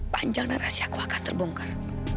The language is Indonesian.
panjang narasi aku akan terbongkar